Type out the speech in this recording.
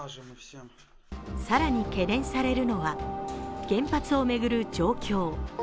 更に懸念されるのは原発を巡る状況。